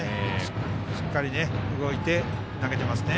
しっかり動いて投げていますね。